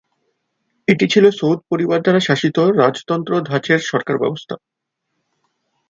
এটি ছিল সৌদ পরিবার দ্বারা শাসিত রাজতন্ত্র ধাচের সরকার ব্যবস্থা।